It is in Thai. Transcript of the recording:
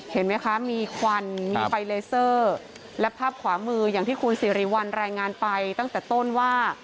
เห็นไหมคะมีควันมีไฟเลเซอร์และภาพขวามืออย่างที่คุณสิริวัลรายงานไปตั้งแต่ต้นว่า